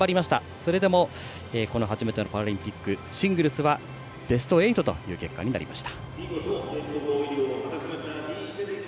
それでも初めてのパラリンピックシングルスはベスト８という結果になりました。